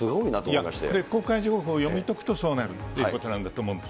いや、公開情報を読み解くと、そうなるということなんだと思います